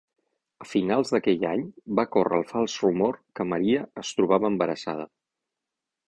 A finals d'aquell any, va córrer el fals rumor que Maria es trobava embarassada.